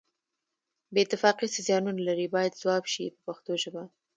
بې اتفاقي څه زیانونه لري باید ځواب شي په پښتو ژبه.